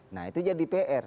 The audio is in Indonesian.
nah itu jadi pr